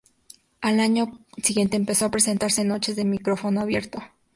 Al año siguiente, empezó a presentarse en noches de micrófono abierto.